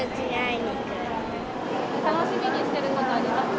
楽しみにしてることあります